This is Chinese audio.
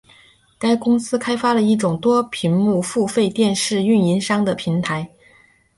该公司开发了一种多屏幕付费电视运营商的平台。